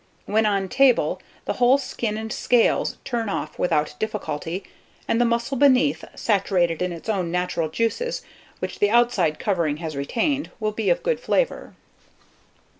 When on table, the whole skin and scales turn off without difficulty, and the muscle beneath, saturated in its own natural juices, which the outside covering has retained, will be of good flavour."